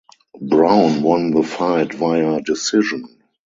Brown won the fight via decision.